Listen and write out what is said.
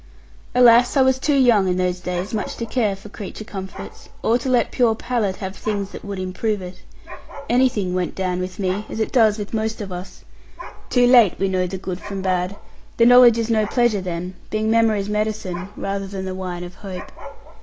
Alas, I was too young in those days much to care for creature comforts, or to let pure palate have things that would improve it. Anything went down with me, as it does with most of us. Too late we know the good from bad; the knowledge is no pleasure then; being memory's medicine rather than the wine of hope.